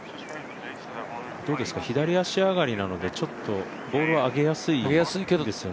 左足上がりなので、ボールは上げやすいですよね。